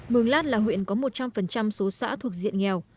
mường lát là huyện có một trăm linh số xã thuộc diện nghèo